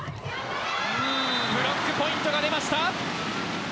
ブロックポイントが出ました。